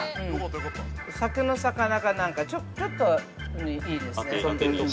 酒のさかなかなんかちょっとにいいですね。